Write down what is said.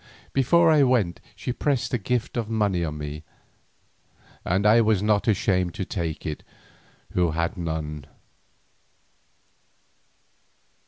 Before I went she pressed a gift of money on me, and I was not ashamed to take it who had none.